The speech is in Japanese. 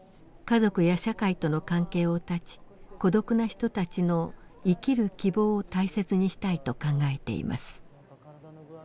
家族や社会との関係を断ち孤独な人たちの生きる希望を大切にしたいと考えています。